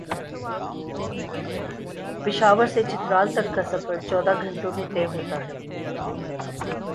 پشاورسے چترال تک کا سفر چودہ گھنٹوں میں طے ہوتا ہے ۔